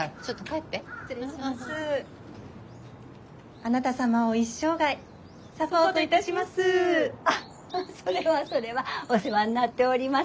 あっそれはそれはお世話になっております。